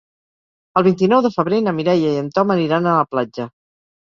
El vint-i-nou de febrer na Mireia i en Tom aniran a la platja.